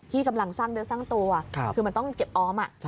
กำลังสร้างเนื้อสร้างตัวคือมันต้องเก็บออม